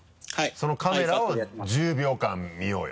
そのカメラを１０秒間見ようよ。